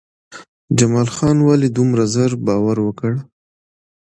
جمال خان ولې دومره زر باور وکړ؟